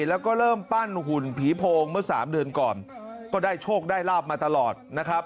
แล้วก็เริ่มปั้นหุ่นผีโพงเมื่อสามเดือนก่อนก็ได้โชคได้ลาบมาตลอดนะครับ